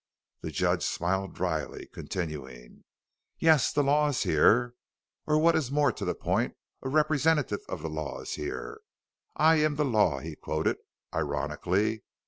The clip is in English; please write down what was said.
The judge smiled dryly, continuing: "Yes, the Law is here. Or what is more to the point, a representative of the Law is here. 'I am the Law,'" he quoted, ironically.